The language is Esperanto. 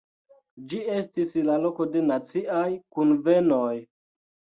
Ĝi estis la loko de naciaj kunvenoj.